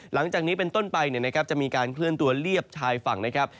หลังจากนี้เป็นต้นไปจะมีการเคลื่อนตัวเรียบชายฝั่งนะครับ